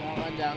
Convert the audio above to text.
cuma kerja dong